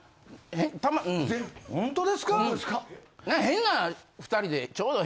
変な２人で丁度。